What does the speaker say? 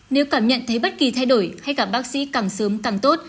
nếu cảm nhận thấy bất kỳ thay đổi hãy gặp bác sĩ càng sớm càng tốt